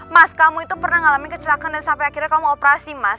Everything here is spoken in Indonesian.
mas kamu itu pernah ngalamin kecelakaan dan sampai akhirnya kamu operasi mas